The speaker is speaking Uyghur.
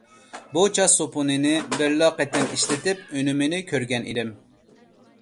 بۇ چاچ سوپۇنىنى بىرلا قېتىم ئىشلىتىپ ئۈنۈمىنى كۆرگەن ئىدىم.